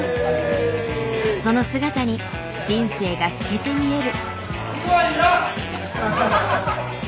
その姿に人生が透けて見える。